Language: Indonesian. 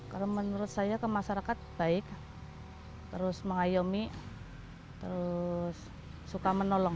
kalau menurut saya ke masyarakat baik terus mengayomi terus suka menolong